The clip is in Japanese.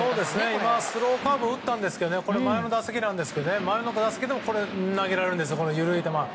今はスローカーブを打ったんですがこれ、前の打席なんですけど前の打席でも投げたんです、緩い球。